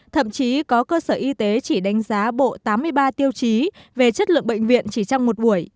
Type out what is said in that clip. thậm chí có cơ sở y tế chỉ đánh giá bộ tám mươi ba tiêu chí về chất lượng bệnh viện chỉ trong một buổi